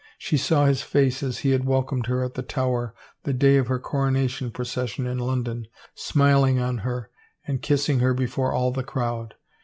She saw his face as he had welcomed her at the Tower, the day of her corona tion procession in London, smiling on her and kissing her before all the crowd.